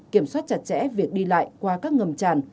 kiểm soát chặt chẽ việc đi lại qua các ngầm tràn